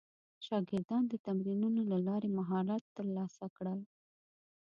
شاګردان د تمرینونو له لارې مهارت ترلاسه کړل.